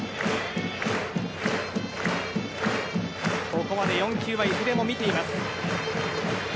ここまで４球はいずれも見ています。